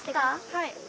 はい。